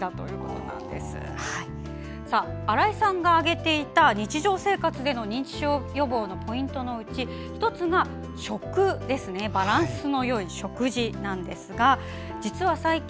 新井さんが挙げていた日常生活での認知症予防の５つのポイントのうち、１つがバランスのよい食事なんですが実は最近